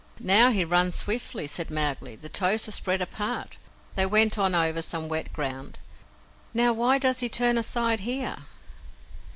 "Now he runs swiftly," said Mowgli. "The toes are spread apart." They went on over some wet ground. "Now why does he turn aside here?"